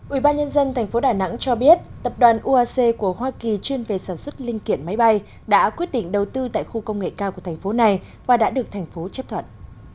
ubnd tp đà nẵng cho biết tập đoàn uac của hoa kỳ chuyên về sản xuất linh kiện máy bay đã quyết định đầu tư tại khu công nghệ cao của thành phố này và đã được thành phố chấp thuận